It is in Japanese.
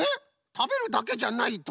たべるだけじゃないとは？